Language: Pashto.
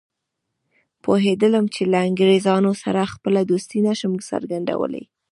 پوهېدلم چې له انګریزانو سره خپله دوستي نه شم څرګندولای.